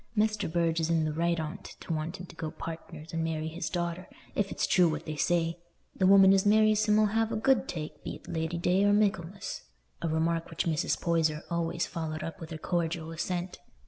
Mester Burge is in the right on't to want him to go partners and marry his daughter, if it's true what they say; the woman as marries him 'ull have a good take, be't Lady day or Michaelmas," a remark which Mrs. Poyser always followed up with her cordial assent.